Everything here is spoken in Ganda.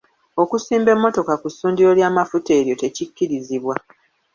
Okusimba emmotoka ku ssundiro ly'amafuta eryo tekikkirizibwa.